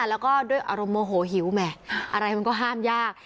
แล้วก็ด้วยอารมณ์โมโหหิวแหมอะไรมันก็ห้ามยาก